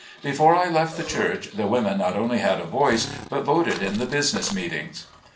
Before I left the church the women not only had a voice, but voted in the business meetings.